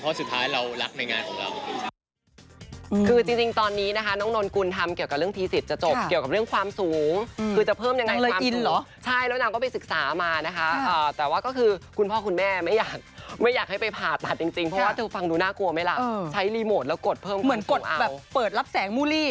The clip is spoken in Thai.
เพราะสุดท้ายเรารักในงานของเรา